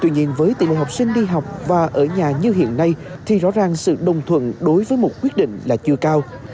nhưng khi các học sinh đi học và ở nhà như hiện nay thì rõ ràng sự đồng thuận đối với một quyết định là chưa cao